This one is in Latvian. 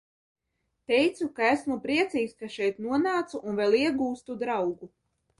Teicu, ka esmu priecīgs, ka šeit nonācu un vēl iegūstu draugu.